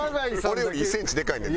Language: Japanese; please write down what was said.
俺より１センチでかいねん。